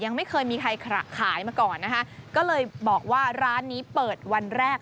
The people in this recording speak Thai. ยังไม่เคยมีใครขายมาก่อนนะคะก็เลยบอกว่าร้านนี้เปิดวันแรก